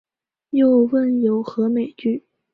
又问有何美句？